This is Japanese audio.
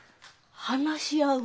話し合う？